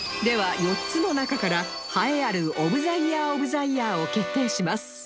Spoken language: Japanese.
では４つの中から栄えあるオブ・ザ・イヤー・オブ・ザ・イヤーを決定します